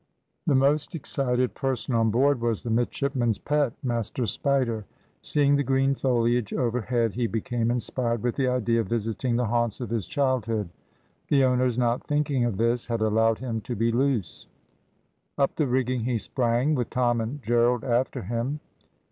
"The most excited person on board was the midshipmen's pet, Master Spider. Seeing the green foliage overhead, he became inspired with the idea of visiting the haunts of his childhood. The owners, not thinking of this, had allowed him to be loose: up the rigging he sprang, with Tom and Gerald after him.